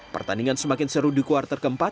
pertandingan semakin seru di kuartal ke empat